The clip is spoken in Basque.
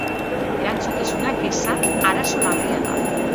Erantzukizunik eza arazo larria da.